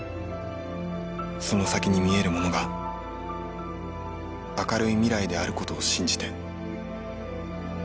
その先に見えるものが明るい未来である事を信じて。